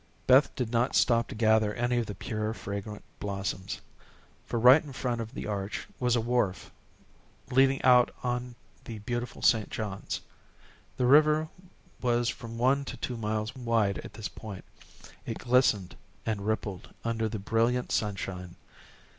Beth did not stop to gather any of the pure, fragrant blossoms, for right in front of the arch was a wharf leading out on the beautiful St. Johns. The river was from one to two miles wide at this point. It glistened and rippled under the brilliant sunshine.